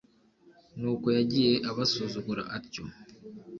nuko yagiye abasuzugura atyo.